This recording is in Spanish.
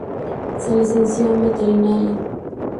Se licenció en veterinaria.